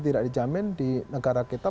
tidak dijamin di negara kita